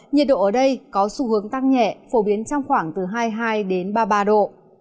nhiệt độ ở đây có xu hướng tăng nhẹ phổ biến trong khoảng từ hai mươi hai đến ba mươi ba độ